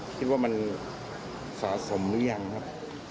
คิดว่ามันสะสมหรือยังครับ